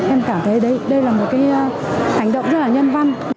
em cảm thấy đây là một hành động rất là nhân văn